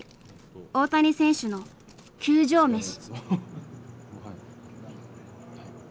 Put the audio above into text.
大谷選手の球場メシ。